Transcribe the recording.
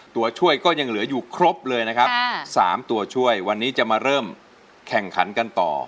ตัวช่วยก็ยังเหลืออยู่ครบเลยนะครับ๓ตัวช่วยวันนี้จะมาเริ่มแข่งขันกันต่อ